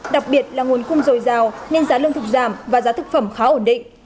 đặc biệt là nguồn cung dồi dào nên giá lương thực giảm và giá thực phẩm khá ổn định